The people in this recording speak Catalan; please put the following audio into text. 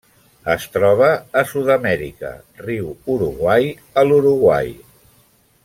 Es troba a Sud-amèrica: riu Uruguai a l'Uruguai.